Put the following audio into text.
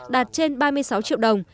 đạt trên ba mươi sáu triệu đồng